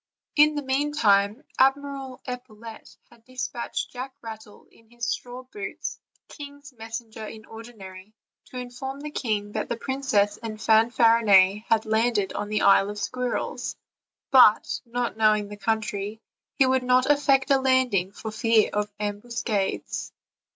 In the meantime Admiral Epaulette had dispatched Jack Rattle, in his straw boots, king's messenger in ordi nary, to inform the king that the princess and Fanfarinet had landed on the Isle of Squirrels; but, not knowing the country, he would not effect a landing for fear of ambuscades.